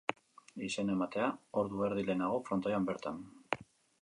Izena ematea ordu erdi lehenago, frontoian bertan.